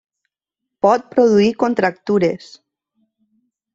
Pot produir contractures.